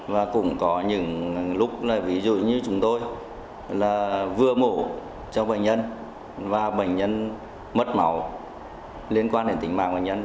và cũng có những lúc ví dụ như chúng tôi là vừa mổ cho bệnh nhân và bệnh nhân mất máu liên quan đến tính mạng bệnh nhân